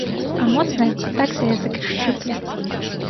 А моцная, так за язык і шчыпле.